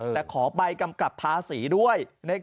แต่ขอใบกำกับภาษีด้วย